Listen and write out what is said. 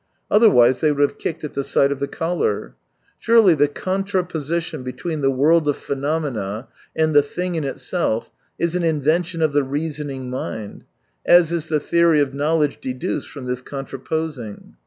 Otherwise they would have kicked at the sight of the collar. Surely the contra position between the world of phenomena and the thing in itself is an invention of the reasoning mind, as is the theory of knowledge deduced from this contraposing.